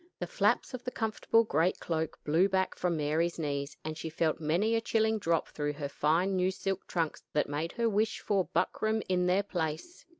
The flaps of the comfortable great cloak blew back from Mary's knees, and she felt many a chilling drop through her fine new silk trunks that made her wish for buckram in their place.